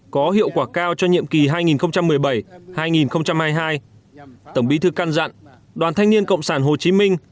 có hiệu quả cao cho nhiệm kỳ hai nghìn một mươi bảy hai nghìn hai mươi hai tổng bí thư căn dặn đoàn thanh niên cộng sản hồ chí minh